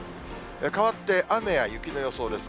かわって雨や雪の予想です。